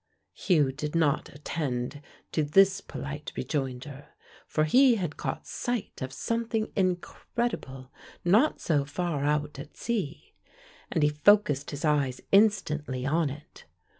Hugh did not attend to this polite rejoinder, for he had caught sight of something incredible not so far out at sea, and he focused his eyes instantly on it.